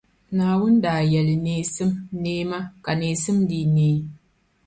Naawuni daa yɛli, “Neesim, neema!” Ka neesim dii neei.